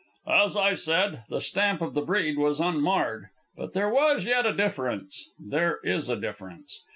"As I said, the stamp of the breed was unmarred, but there was yet a difference. There is a difference.